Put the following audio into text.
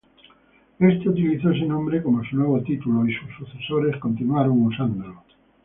Éste utilizó ese nombre como su nuevo título, y sus sucesores continuaron usándolo.